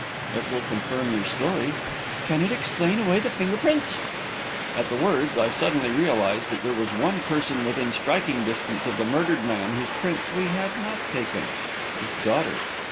"It will confirm your story." "Can it explain away the finger prints?" At the words, I suddenly realised that there was one person within striking distance of the murdered man whose prints we had not taken his daughter.